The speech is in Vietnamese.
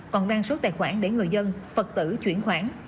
còn đăng số tài khoản để người dân phật tử chuyển khoản